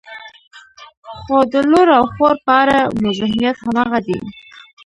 خو د لور او خور په اړه مو ذهنیت همغه دی.